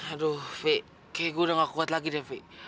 aduh fi kayak gua udah ga kuat lagi deh fi